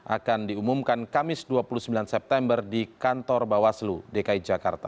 akan diumumkan kamis dua puluh sembilan september di kantor bawaslu dki jakarta